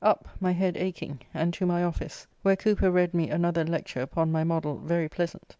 Up, my head aching, and to my office, where Cooper read me another lecture upon my modell very pleasant.